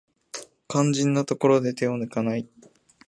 肝心なところで手を抜かない